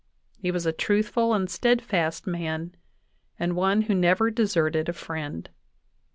... He was a truthful and steadfast man, and one who never deserted a friend."